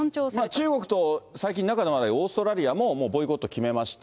中国と最近仲の悪いオーストラリアも、もうボイコット決めました。